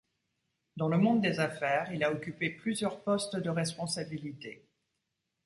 Dans le monde des affaires il a occupé plusieurs postes de responsabilité.